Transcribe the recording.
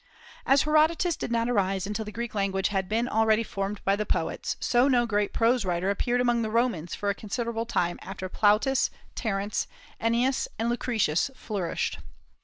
As Herodotus did not arise until the Greek language had been already formed by the poets, so no great prose writer appeared among the Romans for a considerable time after Plautus, Terence, Ennius, and Lucretius flourished.